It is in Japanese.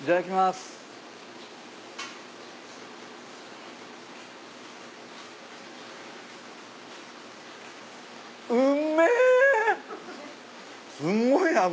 すごい脂。